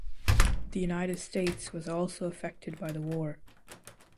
The United States was also affected by the war.